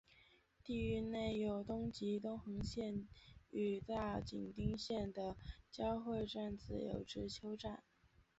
地域内有东急东横线与大井町线的交会站自由之丘站。